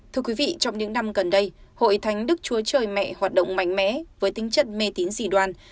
thưa quý vị trong những năm gần đây hội thánh đức chúa trời mẹ hoạt động mạnh mẽ với tính chất mê tín dị đoàn